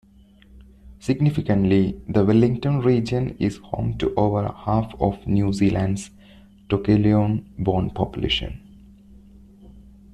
Significantly, the Wellington region is home to over half of New Zealand's Tokelauean-born population.